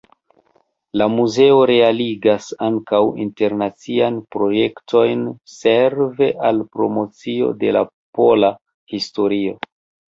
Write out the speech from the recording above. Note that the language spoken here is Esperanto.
La muzeo realigas ankaŭ internaciajn projektojn, serve al promocio de la pola historio.